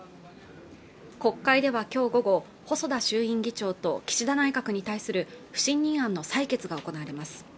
国会ではきょう午後細田衆院議長と岸田内閣に対する不信任案の採決が行われます